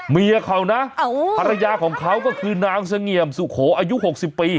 เมียเขานะภรรยาของเขาก็คือนางเสงี่ยมสุโขอายุ๖๐ปี